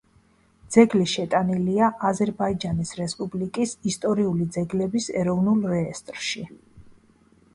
ძეგლი შეტანილია აზერბაიჯანის რესპუბლიკის ისტორიული ძეგლების ეროვნულ რეესტრში.